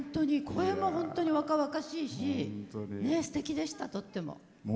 声も本当に若々しいしすてきでした、とっても。